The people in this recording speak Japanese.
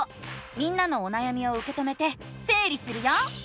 みんなのおなやみをうけ止めてせい理するよ！